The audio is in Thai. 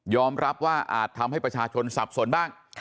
รับว่าอาจทำให้ประชาชนสับสนบ้าง